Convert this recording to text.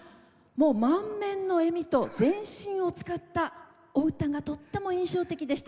満面の笑みと全身を使ったお歌がとっても印象的でした。